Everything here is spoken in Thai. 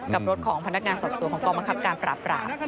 กับรถของพนักงานสอบสวนของกองบังคับการปราบราม